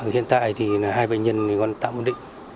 hiện tại hai bệnh nhân còn tạm ổn định